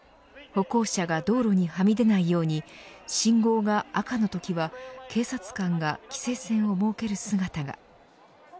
歩行者が道路にはみ出ないように信号が赤のときは警察官が規制線を設ける姿が。